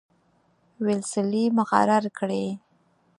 ویلسلي مقرر کړ.